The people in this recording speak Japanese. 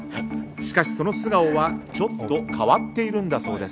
しかしその素顔はちょっと変わっているんだそうです。